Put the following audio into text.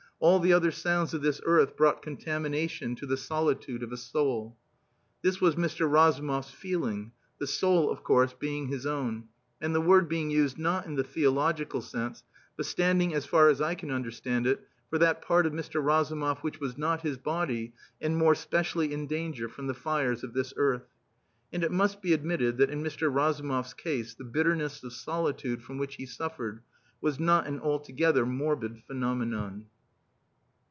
All the other sounds of this earth brought contamination to the solitude of a soul. This was Mr. Razumov's feeling, the soul, of course, being his own, and the word being used not in the theological sense, but standing, as far as I can understand it, for that part of Mr. Razumov which was not his body, and more specially in danger from the fires of this earth. And it must be admitted that in Mr. Razumov's case the bitterness of solitude from which he suffered was not an altogether morbid phenomenon.